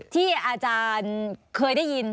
ที่อาจารย์เคยได้ยิน